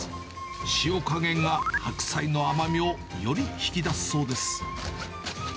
塩加減が白菜の甘みをより引き出すそうです。